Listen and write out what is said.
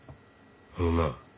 あのな。